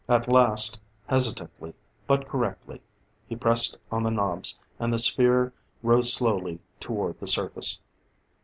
At last, hesitantly, but correctly, he pressed on the knobs, and the sphere rose slowly toward the surface.